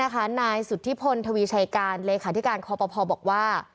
นายสุธิพลทวีชัยการเลขาธิการคอปภบอกว่า